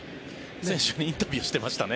選手にインタビューしてましたね。